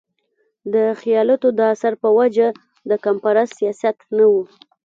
او خياالتو د اثر پۀ وجه د قامپرست سياست نه